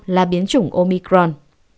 một trăm linh là biến chủng omicron